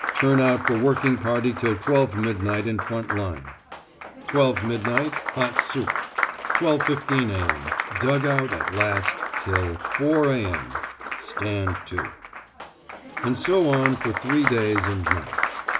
Turn out for working party till 12 midnight in front line. 12 midnight. Hot soup. 12.15 a.m. Dug out at last till 4 a.m. Stand to. And so on for three days and nights.